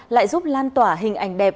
lại giúp lan tỏa hình ảnh đẹp